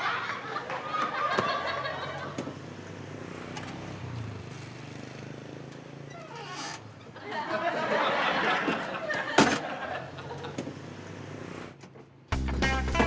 anggu pokoknya lain lain